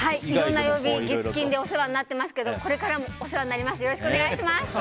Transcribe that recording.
いろんな曜日、月、金でお世話になっておりますけどもこれからもお世話になります。